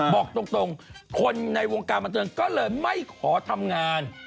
บอกตรงคนในวงการบันเทิงก็เลยไม่ขอทำงาน